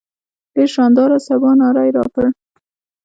ډېر شانداره سباناری راکړ.